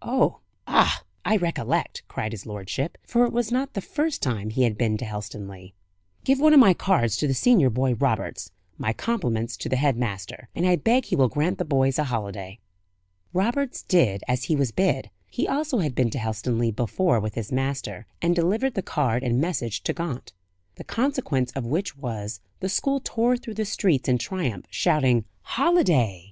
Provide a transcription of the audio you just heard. "Oh, ah, I recollect," cried his lordship for it was not the first time he had been to Helstonleigh. "Give one of my cards to the senior boy, Roberts. My compliments to the head master, and I beg he will grant the boys a holiday." Roberts did as he was bid he also had been to Helstonleigh before with his master and delivered the card and message to Gaunt. The consequence of which was, the school tore through the streets in triumph, shouting "Holiday!"